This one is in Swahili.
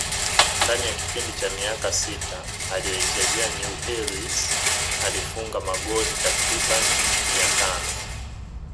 Ndani ya kipindi cha miaka sita aliyoichezea Newells aliifungia magoli takribani mia tano